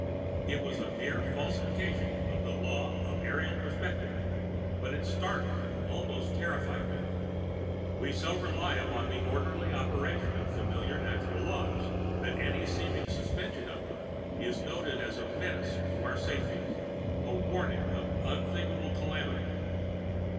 It was a mere falsification of the law of aerial perspective, but it startled, almost terrified me. We so rely upon the orderly operation of familiar natural laws that any seeming suspension of them is noted as a menace to our safety, a warning of unthinkable calamity.